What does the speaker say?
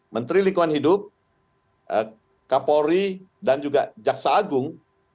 menteri lingkungan hidup kapolri dan juga jaksa agung